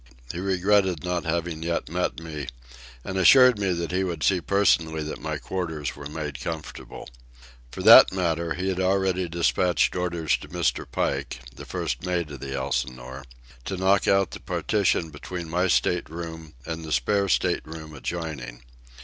He regretted not having yet met me, and assured me that he would see personally that my quarters were made comfortable. For that matter he had already dispatched orders to Mr. Pike, the first mate of the Elsinore, to knock out the partition between my state room and the spare state room adjoining.